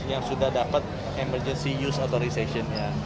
yang sudah dapat emergency use authorization nya